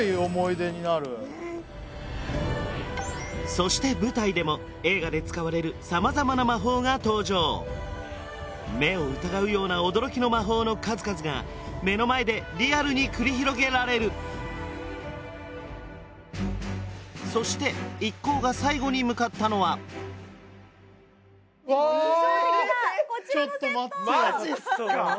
そして舞台でも映画で使われる様々な魔法が登場目を疑うような驚きの魔法の数々が目の前でリアルに繰り広げられるそして一行が最後に向かったのは印象的なこちらのセット！